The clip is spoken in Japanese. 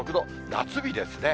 夏日ですね。